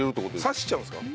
差しちゃうんですか？